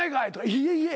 いえいえ。